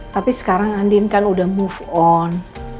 tapi sekarang andin kan udah move on